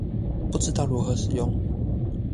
不知道如何使用